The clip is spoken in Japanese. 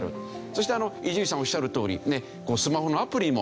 そして伊集院さんおっしゃるとおりね。